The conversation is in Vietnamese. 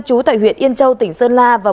chú tại huyện yên châu tỉnh sơn la và